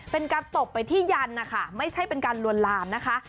เป็นการตบไปที่ยันนะคะไม่ใช่เป็นการลวนลามนะคะ